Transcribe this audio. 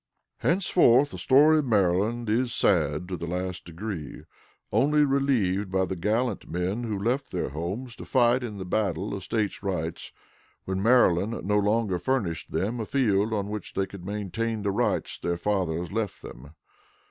Henceforth the story of Maryland is sad to the last degree, only relieved by the gallant men who left their homes to fight the battle of State rights when Maryland no longer furnished them a field on which they could maintain the rights their fathers left them.